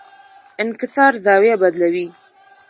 انکسار زاویه بدلوي.